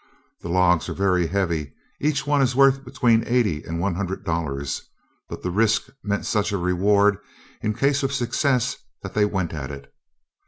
The logs are very heavy, each one is worth between eighty and one hundred dollars, but the risk meant such a reward, in case of success, that they went at it.